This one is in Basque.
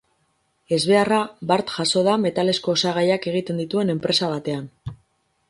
Ezbeharra bart jazo da metalezko osagaiak egiten dituen enpresa batean.